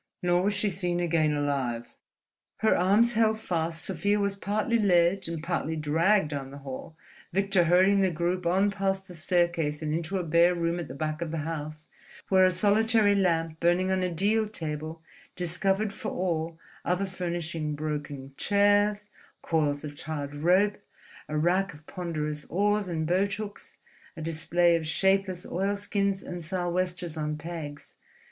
Nor was she seen again alive. Her arms held fast, Sofia was partly led and partly dragged down the hall, Victor herding the group on past the staircase and into a bare room at the back of the house, where a solitary lamp burning on a deal table discovered for all other furnishing broken chairs, coils of tarred rope, a rack of ponderous oars and boat hooks, a display of shapeless oilskins and sou'westers on pegs.